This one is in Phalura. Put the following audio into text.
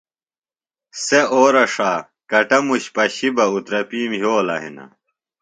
سےۡ اورہ ݜا کٹموش پشیۡ بہ اُترپِیم یھولہ ہنہ